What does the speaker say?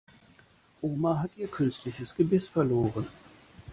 Oma hat ihr künstliches Gebiss verloren.